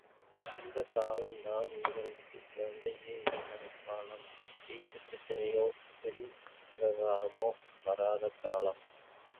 இந்தக் காலம் தான் உங்களுக்கு கவலையே இல்லாத காலம், வீட்டுப் பிரச்சினையோ, வெளி விவகாரங்களோ வராத காலம்.